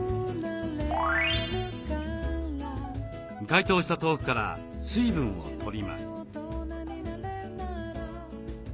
解凍した豆腐から水分を取ります。